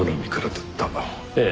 ええ。